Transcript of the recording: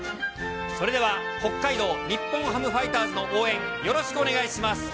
それでは、北海道日本ハムファイターズの応援、よろしくお願いします。